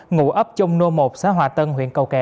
ngủ ấp trong nô một xã hòa tân huyện cầu kè